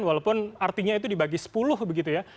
walaupun artinya itu dibagi sepuluh begitu ya